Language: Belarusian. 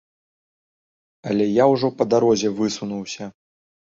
Але я ўжо па дарозе высунуўся.